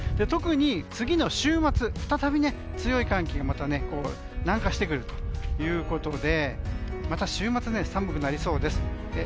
特に、次の週末再び強い寒気が南下してくるということでまた週末、寒くなりそうです。